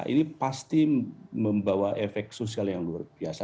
ini pasti membawa efek sosial yang luar biasa